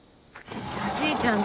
おじいちゃん